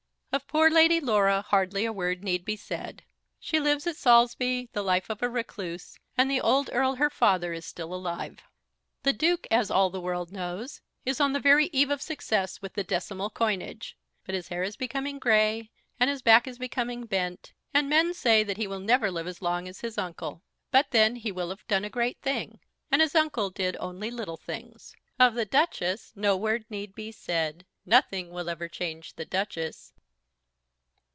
Of poor Lady Laura hardly a word need be said. She lives at Saulsby the life of a recluse, and the old Earl her father is still alive. The Duke, as all the world knows, is on the very eve of success with the decimal coinage. But his hair is becoming grey, and his back is becoming bent; and men say that he will never live as long as his uncle. But then he will have done a great thing, and his uncle did only little things. Of the Duchess no word need be said. Nothing will ever change the Duchess.